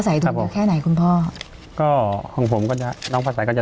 สายดูแค่ไหนคุณพ่อก็ของผมก็จะน้องฟ้าสายก็จะ